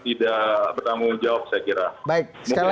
tidak bertanggung jawab saya kira